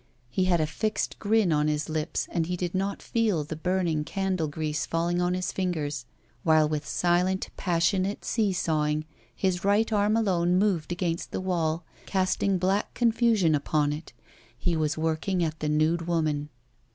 He had a fixed grin on his lips, and did not feel the burning candle grease falling on his fingers, while with silent, passionate see sawing, his right arm alone moved against the wall, casting black confusion upon it. He was working at the nude woman.